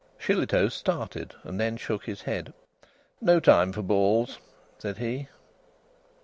Shillitoe started and then shook his head. "No time for balls," said he.